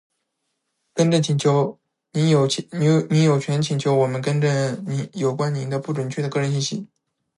更正请求。您有权请求我们更正有关您的不准确的个人信息。